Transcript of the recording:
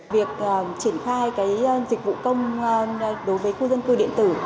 việc triển khai dịch vụ công đối với khu dân cư điện tử